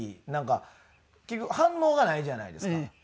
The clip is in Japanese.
なんか結局反応がないじゃないですか。